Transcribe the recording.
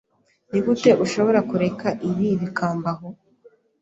Nigute ushobora kureka ibi bikambaho?